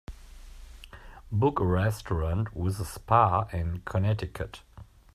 Book a restaurant with a spa in Connecticut